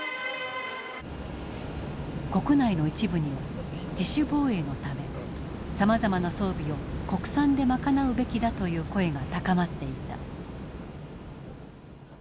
国内の一部には自主防衛のためさまざまな装備を国産で賄うべきだという声が高まっていた。